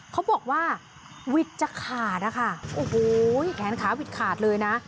เขาบอกว่าวิทย์จะขาดนะคะโอ้โหแขนขาวิดขาดเลยนะ